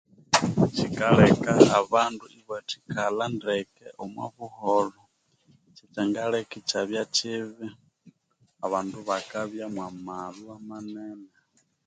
Kikaleka abandu ibathikala omwabuholho kikaleka abandu ibabya mwamalhwa manene